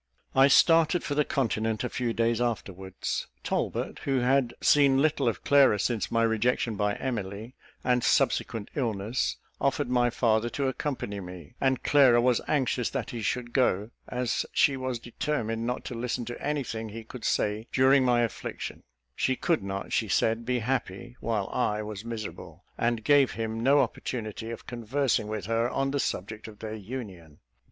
I started for the continent a few days afterwards. Talbot, who had seen little of Clara since my rejection by Emily, and subsequent illness, offered my father to accompany me; and Clara was anxious that he should go, as she was determined not to listen to any thing he could say during my affliction; she could not, she said, be happy while I was miserable, and gave him no opportunity of conversing with her on the subject of their union.